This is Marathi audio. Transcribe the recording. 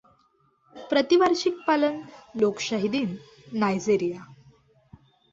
प्रतिवार्षिक पालन लोकशाही दिन नायजेरिया.